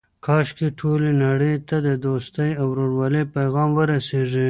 کاشکې ټولې نړۍ ته د دوستۍ او ورورولۍ پیغام ورسیږي.